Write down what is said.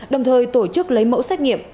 đồng thời tổ chức lấy mẫu xét nghiệm